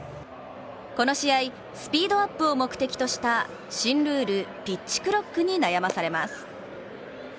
この試合、スピードアップを目的とした新ルール、ピッチクロックに悩まされます。